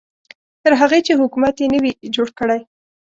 تر هغې چې حکومت یې نه وي جوړ کړی.